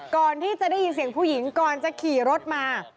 ก่อนที่จะได้ยินเสียงผู้หญิงก่อนจะขี่รถมา